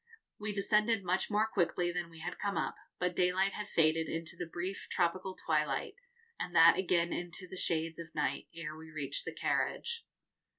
We descended much more quickly than we had come up, but daylight had faded into the brief tropical twilight, and that again into the shades of night, ere we reached the carriage.